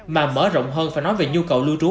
mà mở rộng hơn và nói về nhu cầu lưu trú